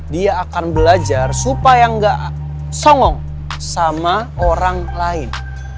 dia akan belajar supaya nggak songong sama orang lain